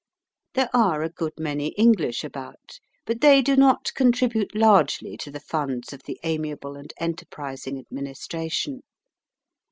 There are a good many English about, but they do not contribute largely to the funds of the amiable and enterprising Administration.